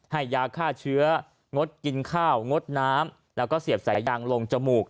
ให้ยาฆ่าเชื้องดกินข้าวงดน้ำแล้วก็เสียบสายยางลงจมูก